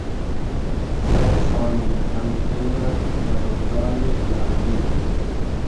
سئد سالی ادئم تېرۂ دۂ رۉزای خیالی